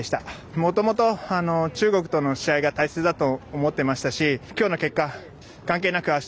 もともと中国との試合が大切だと思っていましたしきょうの結果関係なくあした。